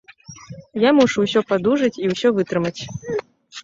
Я мушу ўсё падужаць і ўсё вытрымаць.